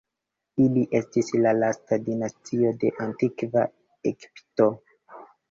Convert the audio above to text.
Ili estis la lasta dinastio de Antikva Egipto.